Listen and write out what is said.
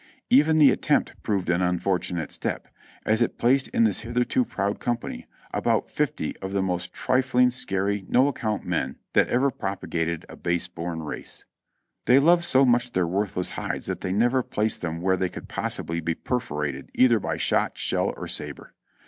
Even the attempt proved an unfortunate step, as it placed in this hitherto proud company about fifty of the most trifling, scary, no account men that ever propagated a base born race. They loved so much their worthless hides that they never placed them where they could possibly be perforated either by shot, shell or sabre.